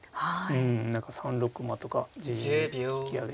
うん何か３六馬とか引き揚げて。